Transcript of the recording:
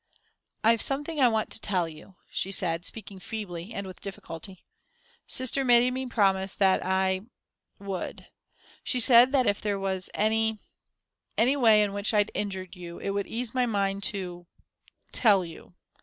"I've something I want to tell you," she said, speaking feebly and with difficulty. "Sister made me promise that I would; she said that if there was any any way in which I'd injured you, it would ease my mind to tell you.